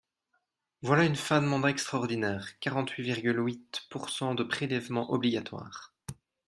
Voilà une fin de mandat extraordinaire, quarante-huit virgule huit pourcent de prélèvements obligatoires.